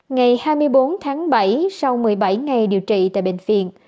ngày hai mươi bốn tháng bảy sau một mươi bảy ngày điều trị tại bệnh viện